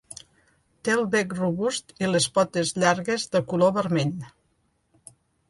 Té el bec robust i les potes llargues de color vermell.